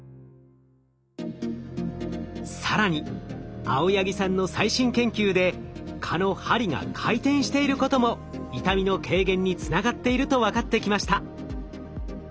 更に青柳さんの最新研究で蚊の針が回転していることも痛みの軽減につながっていると分かってきました。